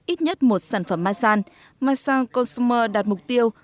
ít nhất một sản phẩm masan masan consumer đạt mục tiêu